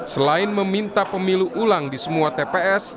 selain meminta pemilu ulang di semua tps